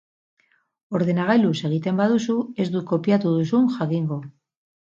Ordenagailuz egiten baduzu, ez dut kopiatu duzun jakingo.